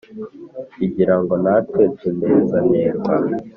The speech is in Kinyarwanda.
igira ngo natwe tunezanerwa